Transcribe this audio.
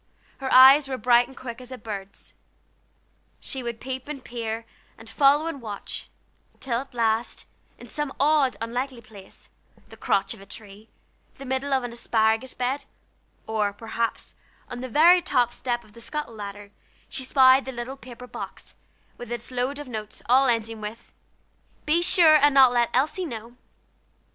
Her eyes were bright and quick as a bird's. She would peep and peer, and follow and watch, till at last, in some odd, unlikely place, the crotch of a tree, the middle of the asparagus bed, or, perhaps, on the very top step of the scuttle ladder, she spied the little paper box, with its load of notes, all ending with: "Be sure and not let Elsie know."